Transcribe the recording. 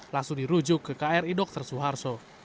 langsung dirujuk ke kri dr suharto